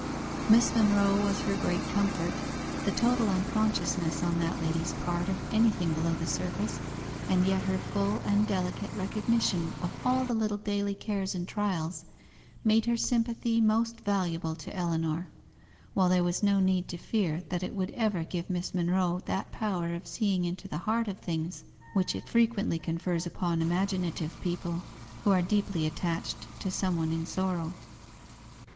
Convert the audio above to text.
Miss Monro was her great comfort; the total unconsciousness on that lady's part of anything below the surface, and yet her full and delicate recognition of all the little daily cares and trials, made her sympathy most valuable to Ellinor, while there was no need to fear that it would ever give Miss Monro that power of seeing into the heart of things which it frequently confers upon imaginative people, who are deeply attached to some one in sorrow.